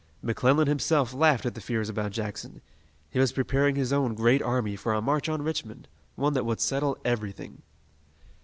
McClellan himself laughed at the fears about Jackson. He was preparing his own great army for a march on Richmond, one that would settle everything.